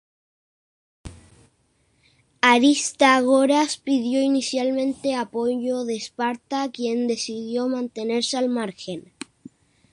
Aristágoras pidió inicialmente apoyo de Esparta quien decidió mantenerse al margen.